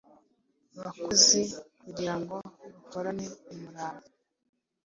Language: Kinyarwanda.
bakozi kugira ngo bakorane umurava.